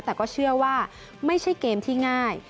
แต่ก็เชื่อว่าไม่ใช่เกมที่ง่าย